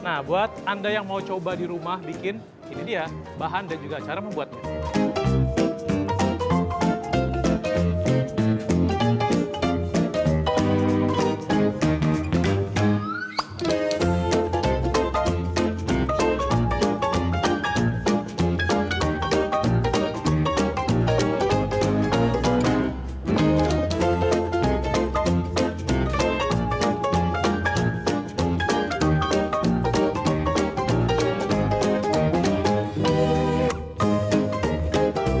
nah buat anda yang mau coba di rumah bikin ini dia bahan dan juga cara membuatnya